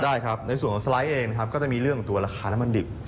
ได้ครับในส่วนของสไลด์เองนะครับก็จะมีเรื่องของตัวราคาน้ำมันดิบ